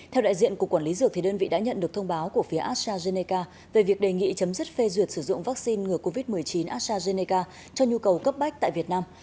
theo đại diện cục quản lý dược đơn vị đã nhận được thông báo của phía astrazeneca về việc đề nghị chấm dứt phê duyệt sử dụng vaccine ngừa covid một mươi chín astrazeneca cho nhu cầu cấp bách tại việt nam